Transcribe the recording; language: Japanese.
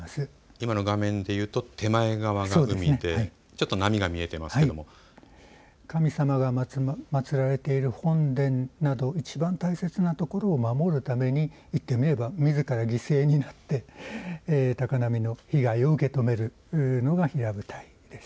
今の画面でいうと手前側、ちょっと波が見えていますけれども、神様が祭られている本殿などいちばん大切なところを守るために言ってみればみずから犠牲になって高波の被害を受け止めるのが平舞台です。